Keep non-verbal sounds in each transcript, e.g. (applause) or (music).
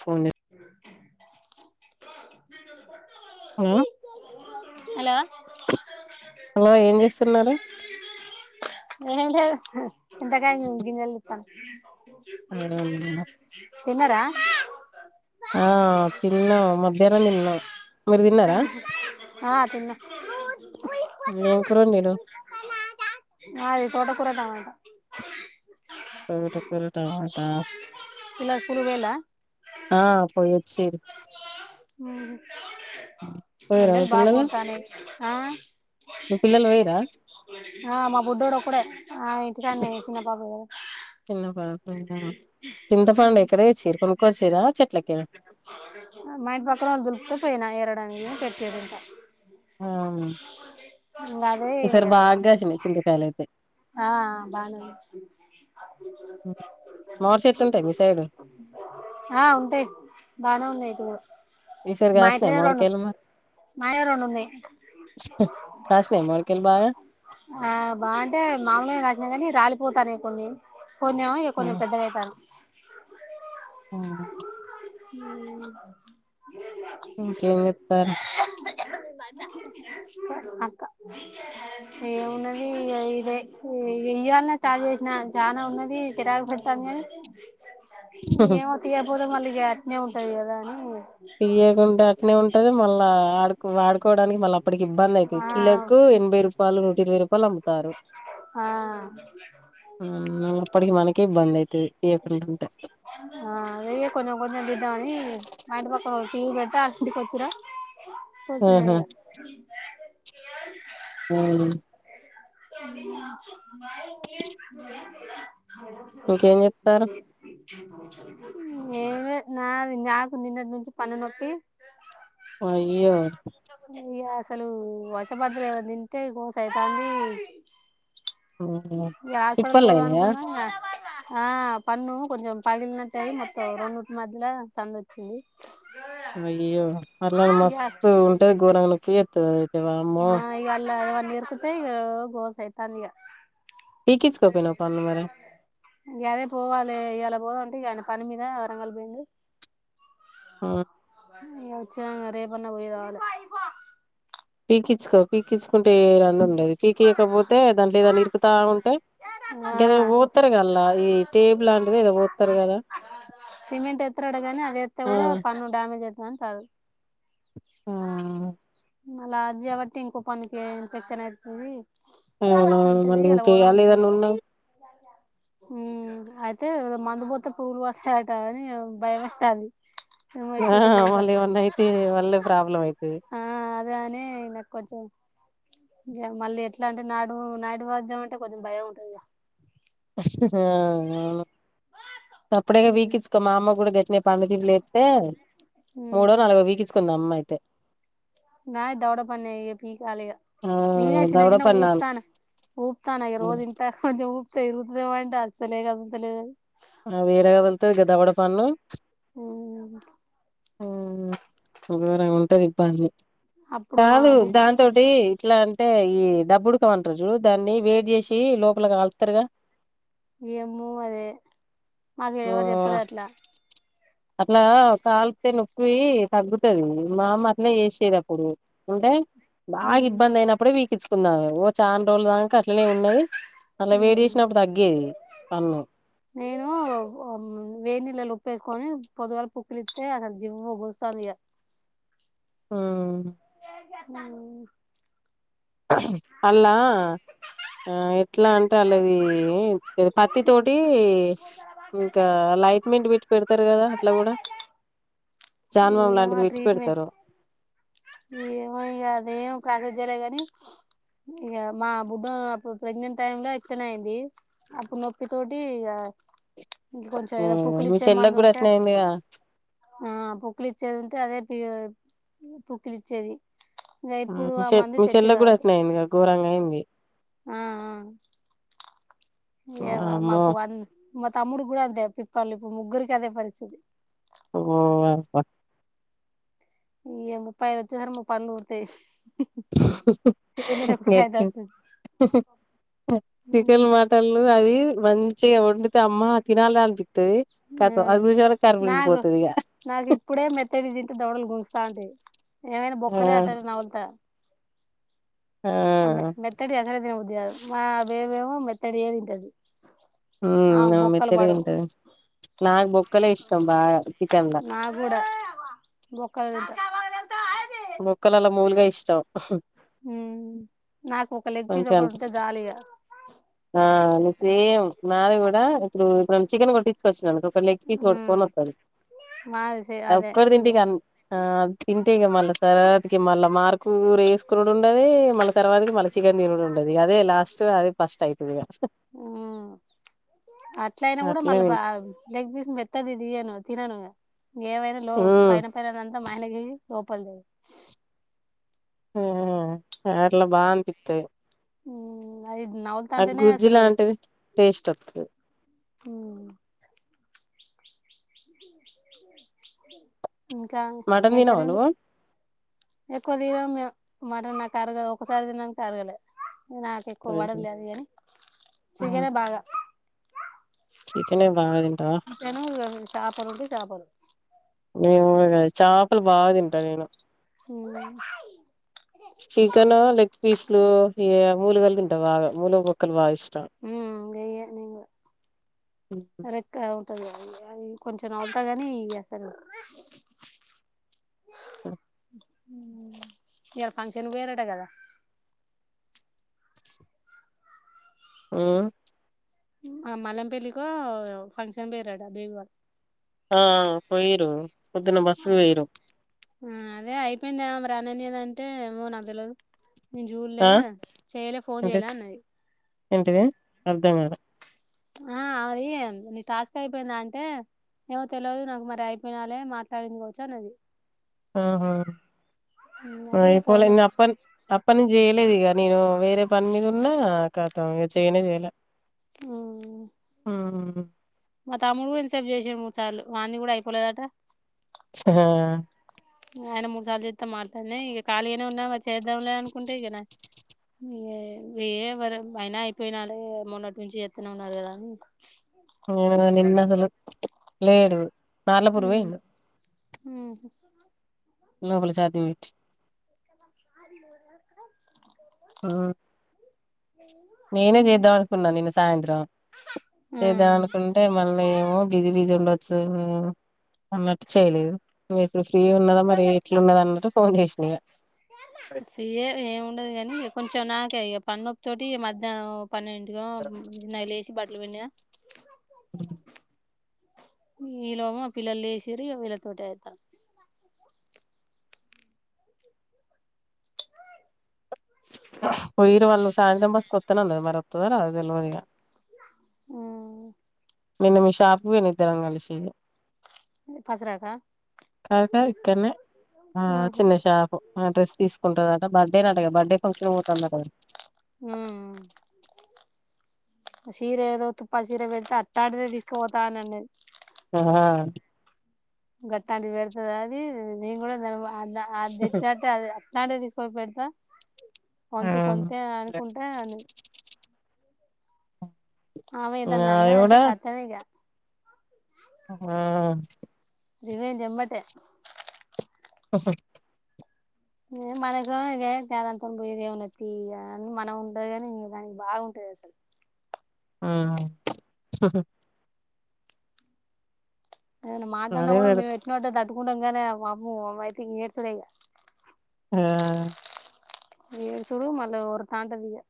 ఫోనే స మీ (inaudible) అ hello hello ఏం జేస్తున్నారు ఏం లేదు చింతకాయ గింజలు తితన్నము ఆరామేనా తిన్నరా ఆ తిన్నము మధ్యాహ్నం తిన్నాం మీరు తిన్నరా ఆ తిన్న కురొందినవు నది తోటకూర టమాట తోటకూర టమాట పిల్లలు స్కూల్ కి పోయిల్లా ఆ పోయి వచ్చిరూ హ పోయిరా అందల్ బాగా ఊడ్తనేే ఆ ను పిల్లల్లో వైరా ఆ మా బుడ్డోడు ఒక్కడే ఆ ఇంటి కాన్నే ఏసినా పాప్ చిన్న పడు చింతపండు ఎక్కడ తెచ్చిన్రు కొనుకొచ్చిరా చెట్లకేనా మా ఇంటి పక్కనోళ్ళు దులుపుతే పోయినా ఎరడాని పెట్టిరింతా ఉహ్ ఇంగదే చింతకాయలు అయితే ఆ బానేంది మామిడి చెెట్లు ఉంటాయి మీ సైడు ఆ ఉంటాయి బానే ఉన్నాయి ఇటు కూడా ఈసారి మా కాశీనాయి ఇంట్లోనే రెండు మావిడికాయిలు మా మాయే రెండున్నాయి కాసినాయ మామిడికాయలు బాగా ఆ బా అంటే మామూలుగా కాసినగానీ రాలిపోతాన్నాయి కొన్ని కొన్ని ఏమో ఇగ కొంచెం పెద్దగా అయితన్నాయి హ్మ్ హ్ ఇంకేం చెప్తానవ్ (unintelligible) అక్క ఏమున్నది ఇగ లే ఇయ్యాలనే స్టార్ట్ చేసినా చనా ఉన్నది చిరాకు పెడతాంది కానీ ఏమో తీయపోతే మళ్ళీ ఇగ అట్నే ఉంటది కదా అని తీయ్యకుంటే అట్నే ఉంటది మళ్ళా ఆడుకు వాడు కోడానికి మళ్ళ అప్పటికి ఇబ్బంది అయితది ఆ కిలోకు ఎనభై రూపాయలు నూట ఇరవై రూపాయలు అమ్ముతారు ఆ హ్మ్ మల్లా అప్పటికి మనకే ఇబ్బంది అయితది తీయకుండుంటే ఆ అదే ఇగ కొంచెం కొంచెం తిద్దం అని మా ఇంటి పక్క టీవీ పెడతే అక్కింటికి కొచ్చినా కూసున్నా ఆహా ఇగ హ్మ్ (unintelligible) (unintelligible) ఇంకేం చెప్తారు ఏం లేద్ నాది నాకు నిన్నటి నుంచి పన్ను నొప్పి అయ్యో ఇగ అసలు వష పడ్తలే ఏమన్నా తింటే గోసైతాంది ఇగ హాస్పిటల్ తిప్పలు పోదం అయినయా అనుకున్నా ఇగ ఆ పన్ను కొంచెం పగిలినట్టయి మొత్తం రెండుటి మధ్యల సందోచ్చింది అయ్యో అల్లా మస్తు ఉంటది గోరంగ నొప్పి చెత్తది అది ఆ ఇగ అల్లా ఏమన్నా ఇర్కతే ఇగ గోసాయితంది ఇగ పీకిచ్చుకోపోయినవ పన్ను మరి గదే పోవాలే ఇయాల పోదామంటే ఇగ అయిన పని మీద వరంగల్ పోయింది హ్ ఇగ ఒచ్చినంక రేపు అన్న పోయిరావాలే పీకిచ్చుకో పీకించుకుంటే ఏ రంధి ఉండదు పీకీయకపోతే దాంట్ల ఏదన్న ఇరుకుతా ఉంటే ఆ గదేమో పొత్తారు గా అల్లా ఈ టేబు లాంటిది ఏదో పొత్తరు కదా సిమెంట్ ఎత్తరటగనీ అది ఎత్తే ఆ కూడా పన్ను డామేజ్ అయితదని అంటల్లూ ఆ మళ్ళ అద్ జేయవట్టి ఇంకో పన్నుకి ఇన్ఫెక్షన్ అయితది హ్మ్ మళ్ళ ఇంక అల్లా ఏదన్న ఉన్నా ఉ అయితే మందు పొత్తే పురుగులు పడతాయాటగని భయం అయితాంది ఆ మళ్ళ ఏమన్నైతే మళ్ళే ప్రాబ్లమ్ అయ్ ఆ అదే అనే నాక్ కొంచం ఇగ మళ్ళీ ఎట్లా అంటే నటూ నటూవైద్యం అంటే కొంచం భయం ఉంటదిగా హా అవును సప్పుడేక పికిచ్చుకో మా అమ్మ గుడా గట్ నే పండ్లతీపి లేత్తే మూడో ఇగ నాలుగో పీకిచ్చుకుంది అమ్మ అయితే నాయ్ దవడ పన్నే ఇగ పీకాలిగా ఆ నీనే దవడ చినచినగా పన్ను ఊప్తాన, ఊప్తాన ఇగ రోజు ఇంత కొంచం ఊప్ తెరుగుతదేమో అంటే, అస్సలే కదుల్తలేదు అది. ఆ వేరేగా కదులుతది గా దవడ పన్నూ. ఉమ్మ్. అవును గోరంగా ఉంటది ఇబ్బంది. అప్పుడు మా కాదు బుడ్ దాంతోటీ, ఇట్లా అంటే, ఈ డబ్బుడుకం అంటారు జూడు, దాన్ని వేడి చేసి లోపల కాల్తరుగా. ఏమ్మో అదే. మాకెవరు చెప్పలే అట్లా. ఆ అట్లా కాల్తే నొప్పీ తగ్గుతది. మా అమ్మ అట్నే జేసేది అప్పుడు. అంటే బాగా మ్ ఇబ్బంది అయినప్పుడే పీకించుకుందామే. ఓ చాన్ రోజుల దాంక అట్లనే ఉన్నది. అలా వేడి చేేసినప్పుడు తగ్గేది పన్నూ. నేనూ ఆమ్, వేన్నీలలో ఉప్పేస్ కొని, పొద్దుగాల పుక్కిలిత్తే, అసలు జివ్వు గుంజుతాంది ఇగ. ఆమ్. ఉమ్. అల్లా. ఆ ఎట్లా అంటే అల్లదీ, పత్తి తోటీ ఇంకా, లైట్మెంట్ పెట్టి, పెడత్. తర్ గదా అట్ల గుడా. జాన్డ్బామ్ ఏమో లాంటిది ఆ పెట్టి ట్రీట్మెంట్ పడ్తరు. ఏమో ఇగ. అది (unintelligible) గనీ. ఇగ మా బుడ్డా అప్పుడు, ప్రెగ్నెంట్ టైమ్ లో ఇట్లనే అయింది. అప్పుడు నొప్పి తోటి ఇగా ఊ మీ చెల్లెక్ గుడా, అట్లనే అయిందిగా. ఆ పుక్కిలిచ్చేది ఉంటే, అదే పి పుక్కిలిచ్చేది. ఊ మీ చెల్లెక్ గుడా అట్నే అయిందిగా, గోరంగా అయింది. ఏమో వామ్మో మాకు అంద్, మా తమ్ముడు గూడా అంతే పిప్పళ్ళు. ఇప్పుడు ముగ్గురికి అదే పరిస్థితి. ఓ అవ్వా. (unintelligible) ముప్పైదు వచ్చేసరికి, మాపన్లు ఉడ్తయ్. ఏట్టు. అయితట్టుంది చికెన్లు, మటన్లు అవీ. మంచిగా వండితే అమ్మా తినాలె అనిపిత్తదీ. కతం అది చూసే వరకి కర్పునిండిపోతది ఇగ. నాక్ ఇప్పుడే మెత్తటి తింటే దవడలు గుంజుతాఉంటాయి. ఏమైనా బొక్కలే అట్టట్ట ఆ నముల్తా. అబ్బే మెత్తటీ అసలే తినబుద్ది కాదు. మా బేబీ ఏమో మెత్తటియే తింటది. ఊమ్మ్, ఆమెకు ఆమె బొక్కలు మెత్తటి పడవు తింటది. నాక్ బొక్కలే ఇష్టం బాగా, చికెన్ల. బొక్కల్ తింటా. బొక్కలల్ల మూల్గా ఇష్టం. ఉమ్మ్. నాకు ఒక లెగ్ పీస్, ఒకటి ఉంటే జాలిగ. అవును సేమ్ నాది గూడా. ఇప్పుడు ఎప్పుడన్న చికెన్ కొట్టిచ్చుకోచ్చిన్నఅనుకో. ఒక లెగపీస్ ఉమ్ గొట్టుగొని ఓత్తడు. మాది సే ఆ అదే ఒక్కట్టి తింటే ఇగ అం, ఆ తింటే ఇగ మళ్ల. (unintelligible) ఇగ మళ్ళా మార్కు కూర ఏసుకునుడు ఉండదీ, మళ్ళ తర్వాతకి చికెన్ తినుడు ఉండద్. ఇగ అదే లాస్టూ, అదే ఫస్ట్ అయ్ ఊమ్మ్. అట్లయినా గుడా, అట్లనే మళ్ళా తిం పా లెగ్ పీస్ మెత్తది దీయను, తినను. ఏమైనా లో, హ్మ్ పైన పైనదంతా మా ఆయనకి ఏసీ, లోపలదో ఉహు అట్లా బాఅన్పిత్తది. ఉమ్మ్. ఆ గుజ్జు లాంటిది, టేస్ట్ ఒత్తది. హుమ్మ్. (inaudible) ఇంకా మటన్ ఏం కర్రీ తినవా నువ్వు వండిన్ర్, ఎక్కువ తినమ్ మేమ్. మట్టన్ నాకు అరగదు ఒకసారి తిననికి అరగాలే నాక ఎక్కువ హుహు. పడదులే అదిగాని చికెనే బాగా చికెన్ ఏ నేను చాపడు ఉంటడి చాపడు నేను చేపలు బాగా తింటా నేను మ్మ్ అలు ఈ మూలు కలు తింటావు బాగా మూల బొక్కలు బాగా ఇష్టం మ్మ్ (unintelligible) హ్మ్ అ కొంచెం అవుతా గాని యి అసలు ఈయల ఫంక్షన్కి పోయారట కదా (inaudible) హ్మ్ ఆ మల్లంపళ్లికో ఫంక్షన్ పోయరాడా బేబీ వాళ్ళ ఆ పోయిరు పోదున్న బస్ పోయిరు మ్మ్ అదే అయిపోయింద ఏమో రానినేదంటే ఏమో నకుతెల్వదు నేను చూలే ఆ చేయలే ఫోన్ ఏంటి చేయ్యలే అన్నది ఏంటిది అర్థం కాలా ఆ అరి నీ టాస్క్ అయిపోయిందా అంటే ఏమో తెలిదు నాకు మరి అయిపోయినాలే మాట్లాడిందికోవచ్చు అన్నది ఆ అది ఇపోలే ఫోన్ అప్పన్ అప్పడి నుంచి జయలేదు ఇగా నేను వేరే పని మీద ఉన్నా కా గా చెయనే చేయలా హ్మ్ మా తమ్ముడు కూడా ఎంతసేపు చేసాడు చార్లు వానీ కూడా అయిపోలేదట ఆ ఆయన మూడు సార్లు చెస్తా మాట్లాడినే ఇక ఖాళీగానే ఉన్నా చేద్దాంలే అనుకుంటే ఇక ఏ ఎవర అయినా అయిపోయినాడు మొన్నటి నుంచి చేత్తనే ఉన్నారు కదా అ ఆ నిన్న అసలు లేడు నార్ల పురువేను అని (inaudible) మాది హ్మ్. నేనే చేద్దాం అనుకున్నా నిన్న సాయంత్రం ఆ చేద్దాం అనుకుంటే మళ్ళీ ఏమో బిజీ బిజీ ఉండొచ్చు అన్నట్టు చేయలేదు నువ్ ఎప్పుడు ఫ్రీ ఉన్నదా మరి ఎట్లు ఉన్నదా అన్నట్టు ఫోన్ చేసిను ఇగ ఫ్రీయే ఏమి ఉండదు కాని కొంచెం నాకే ఇ పన్నొప్పి తోటి మధ్యాహ్నం పన్నెంటికో నైలు వేసి బట్టలు పిన్డిడిన (inaudible) ఈ లోగా మా పిల్లలు లేసిరు ఇగ వీళ్ళతోటె అయితా (inaudible) పోయరు వాళ్ళు సాయంత్రం బసుకొత్తన్నారు మరి వస్తుందొ రాదో తెల్వదు ఇగా ఆ నిన్న మీ షాప్కి పోయినం నిద్దరం కలిసి పసరాకా కాక ఇక్కడనే ఆ ఆహా చిన్న షాపు ఆ డ్రెస్ తీసుకుంటద బర్డే నాటగా బర్డే ఫంక్షన్ పోతుందటాగా హ్మ్ సీర ఏదో తుప్ప చీర పెడితే అట్టాంటిదే తీసుకుపోతా అని అన్నది ఆ గట్టాంటి వెడతు అది నేను కూడా అది తేచ్చాకా అది ఇలాంటివి తీసుకొ పెడతా వంత కొంత అని ఆ అనుకుంటే ఆమె ఏదాన్న అది అన్ననంటే కూడా కటదు ఇగ ఆ దివన్ చెమ్మటే ఆహా మనకు ఇక ఏదాంతం పోదే ఉన్నతి అని మనం ఉండదు కాని దానికి బాగుంటుది అసలు ఆ అ మాట్లాన్నా అదే కూడా పెడు మేము ఎట్టినడే తట్టుకుంటాం కానీ పాపం అయితే నేర్చలేయ ఆ ఏడు సుడు మళ్ళ ఒక తాండదిిక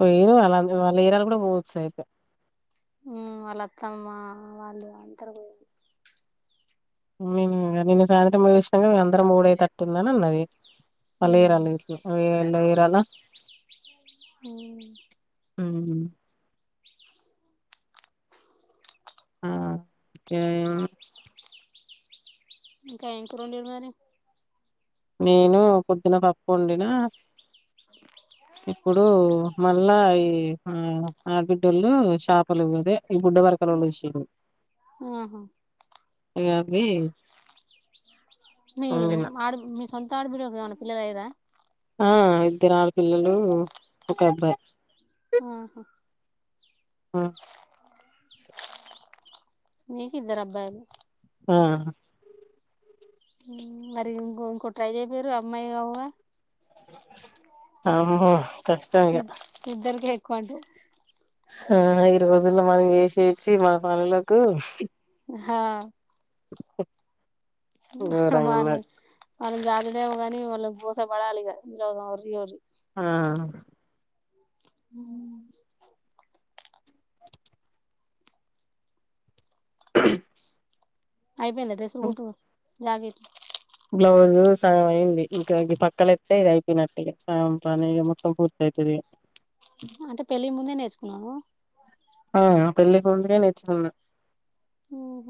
పోయిరు వాళ్ళ వాళ్ళు ఏరాలు కూడా మోస్ అయితే వాళ్ళ అత్తమ్మా వాళ్ళు అందర పోయి నిన్నను సాయంత్రంంగా మీ అందరం ఊడైతేట్టుందని అన్నది అళ్ళ ఉమ్ ఇరాలి ఇంట్లో ఎళ వరాలా హ హ ఆ అ ఇంకా ఇం కూడాడు ఉండేరు మరి నేను పొద్దున పప్పు ఉండిన ఇప్పుడు మళ్ళా ఈ ఆ ఆడ బిడ్డళలు షాపలు ఇదే ఈ బుడ్డ వరకల వాళ్ళు ఇచ్చేది ఆహా అీ మీ ఆడు మీ సొంత ఆడబిడ్డపిల్లలే కదా ఆ ఇద్దరు ఆడపిల్లలు ఒక అబ్బాయి ఆహా ఆ మీకిద్దరబ్బాయిలు ఆ మరి ఇం ఇంకో ట్రై చేయకపోయారా అమ్మాయి కావాలి ఆహా ఇ ఇద్దరికి ఎక్కువంట ఆ ఈ రోజుల్లో మనం చేసచ్చి మన పనులకు హా ఘోరంగా మళ్ళ ఉన్నది మనం జాతలేమ కాని వాళ్ళకి బోస పడాలిగాలో ఎర్ర్రి ఎవ్రి ఆ అ అయిపోయిందా డ్రెస్సులు కు జాకెట్ రోజు సాయం అయింది ఇంకా పక్కలెత్తే ఇది అయిపోయినట్టు సాయం పనే మొత్తం పూర్తి అవుతుది అంటే పెళ్ళి ముందే నేర్చుకున్నాను ఆ పెళ్ళకుండే నచ్చింది ఓహ